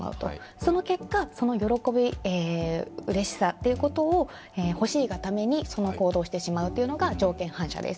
その結果、その喜び、うれしさということを欲しいがために、その行動をしてしまうのが条件反射です。